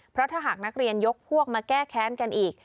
เพราะถ้าหากนักเรียนยกพวกมาแก้แค้นกันอีก